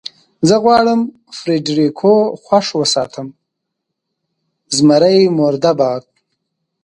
زه غواړم فرېډرېکو خوښ وساتم، زمري مرده باد.